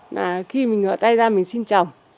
là khi mình ngỡ tay ra mình xin chồng